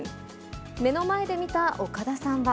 目の前で見た岡田さんは。